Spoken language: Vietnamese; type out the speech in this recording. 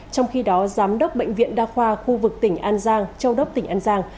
trong khi đó giám đốc bệnh viện đa khoa khu vực tỉnh an giang châu đốc tỉnh an giang